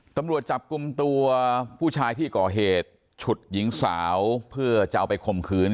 ตำรวจจับกลุ่มตัวผู้ชายที่ก่อเหตุฉุดหญิงสาวเพื่อจะเอาไปข่มขืน